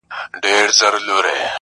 خدای چي له عرشه راکتل ما ورته دا وويل